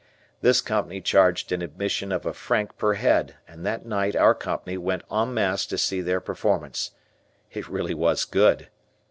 This company charged an admission of a franc per head, and that night our company went en masse to see their performance. It really was good.